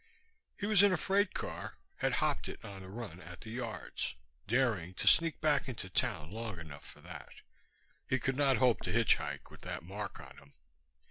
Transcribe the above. He was in a freight car had hopped it on the run at the yards, daring to sneak back into town long enough for that. He could not hope to hitchhike, with that mark on him.